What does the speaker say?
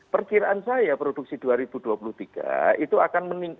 perkiraan saya produksi dua ribu dua puluh tiga itu akan meningkat